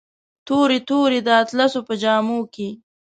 تورې، تورې د اطلسو په جامو کې